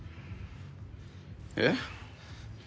えっ？